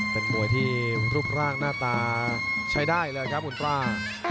เป็นมวยที่รูปร่างหน้าตาใช้ได้เลยครับอุลตรา